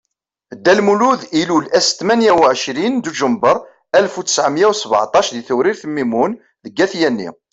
Dda Lmulud ilul ass tmenya u ɛecrin Duǧember Alef u ttɛemya u sbaɛṭac di Tewrirt Mimun deg At Yanni.